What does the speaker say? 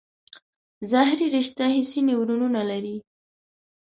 ظهري رشته حسي نیورونونه لري.